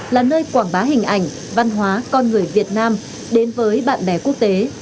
là nơi quảng bá hình ảnh văn hóa con người việt nam đến với bạn bè quốc tế